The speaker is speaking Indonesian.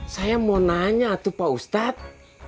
saya mau nanya tuh pak ustadz